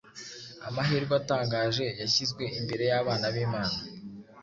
amahirwe atangaje yashyizwe imbere y’abana b’Imana.